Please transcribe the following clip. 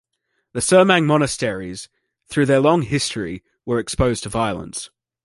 The Surmang monasteries, through their long history, were exposed to violence.